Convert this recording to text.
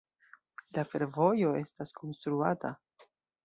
La fervojo estas konstruata.